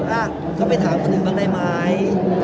อ่ะเขาไปถามคนอื่นบ้างได้ไหม